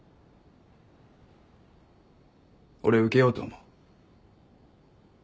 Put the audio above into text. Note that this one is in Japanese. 俺受けようと思う。